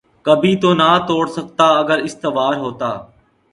کبھی تو نہ توڑ سکتا اگر استوار ہوتا